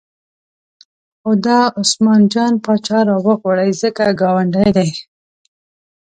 خو دا عثمان جان پاچا راوغواړئ ځکه ګاونډی دی.